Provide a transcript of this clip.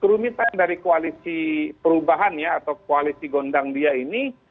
kerumitan dari koalisi perubahan ya atau koalisi gondang dia ini